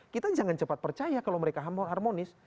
kita jangan cepat percaya kalau mereka harmonis